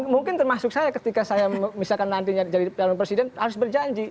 mungkin termasuk saya ketika saya misalkan nantinya jadi calon presiden harus berjanji